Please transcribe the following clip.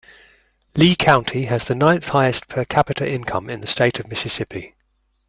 Lee County has the ninth highest per capita income in the State of Mississippi.